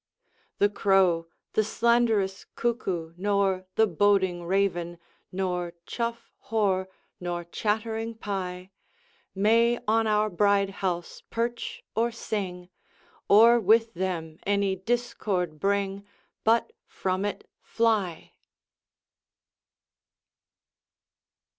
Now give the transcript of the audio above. The crow, the slanderous cuckoo, nor The boding raven, nor chough hoar, Nor chattering pie, May on our bride house perch or sing, Or with them any discord bring, But from it fly!